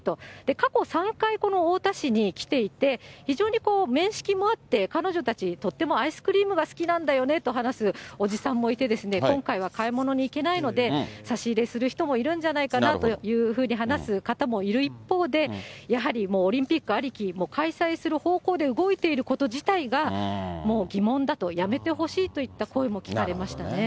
過去３回、この太田市に来ていて、非常に面識もあって、彼女たち、とてもアイスクリームが好きなんだよねと話すおじさんもいて、今回は買い物に行けないので、差し入れする人もいるんじゃないかなというふうに話す方もいる一方で、やはりもうオリンピックありき、もう開催する方向で動いていること自体がもう疑問だと、やめてほしいといった声も聞かれましたね。